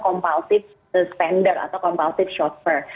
kompalsif spender atau kompalsif shopper